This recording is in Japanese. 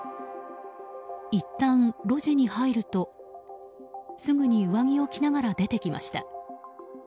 いったん路地に入ると、すぐに上着を着ながら出てきました。